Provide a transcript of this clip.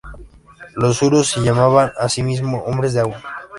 Los urus se llamaban a sí mismos "hombres de agua".